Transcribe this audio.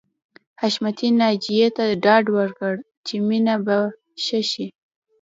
حشمتي ناجیې ته ډاډ ورکړ چې مينه به ښه شي